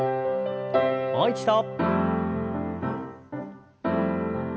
もう一度。